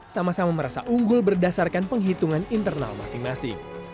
sama sama merasa unggul berdasarkan penghitungan internal masing masing